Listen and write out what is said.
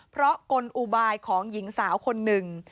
เพราะกลอุบายของหญิงสาวคนหนึ่ง